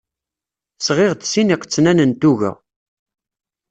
Sɣiɣ-d sin iqetnan n tuga.